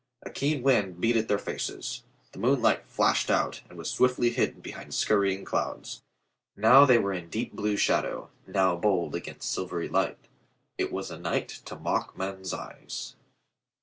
A keen wind beat at their faces. The moonlight flashed out and was swiftly hidden behind scurrying clouds; now they were in deep blue shadow, now bold against silvery light It was a night to mock men's eyes.